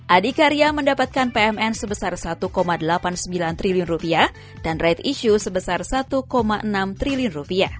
adikarya mendapatkan pmn sebesar rp satu delapan puluh sembilan triliun dan right issue sebesar rp satu enam triliun